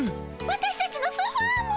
私たちのソファーも！